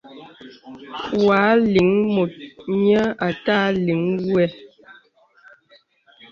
Wa lìŋ mùt nyə àtà liŋ wɨ.